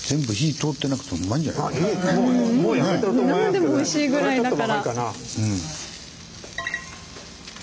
うん生でもおいしいぐらいだから。